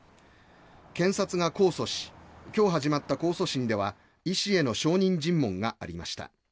検察が控訴し今日始まった控訴審では医師への証人尋問がありました。